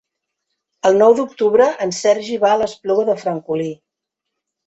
El nou d'octubre en Sergi va a l'Espluga de Francolí.